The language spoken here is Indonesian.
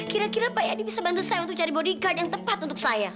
kira kira pak yadi bisa bantu saya untuk cari body guide yang tepat untuk saya